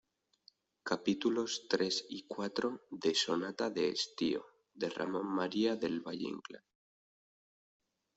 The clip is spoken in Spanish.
capítulos tres y cuatro de Sonata de estío, de Ramón María del Valle-Inclán.